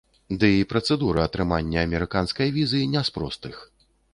Ды і працэдура атрымання амерыканскай візы не з простых.